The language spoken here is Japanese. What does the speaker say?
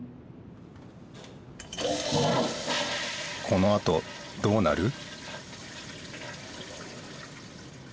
このあとどうなる？